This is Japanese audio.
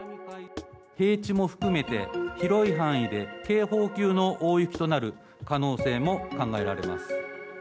平地も含めて、広い範囲で警報級の大雪となる可能性も考えられます。